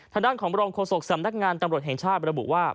ทางด้านของรองโฆษกสำนักงานตำรวจแห่งชาติระบุว่า